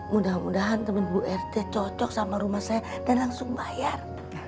mudah mudahan teman bu rt cocok sama rumah saya dan langsung bayar